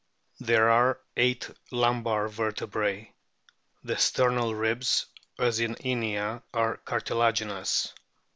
There are eight lumbar vertebrae. The sternal ribs, as in Inia, are cartilaginous.